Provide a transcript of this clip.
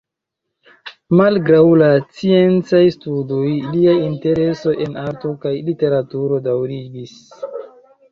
Malgraŭ la sciencaj studoj, lia intereso en arto kaj literaturo daŭrigis.